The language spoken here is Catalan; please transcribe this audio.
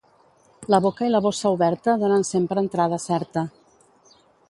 La boca i la bossa oberta donen sempre entrada certa.